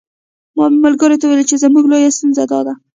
ما ملګرو ته ویل چې زموږ لویه ستونزه داده.